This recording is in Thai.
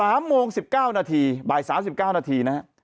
สามโมงสิบเก้านาทีบ่ายสามสิบเก้านาทีนะฮะ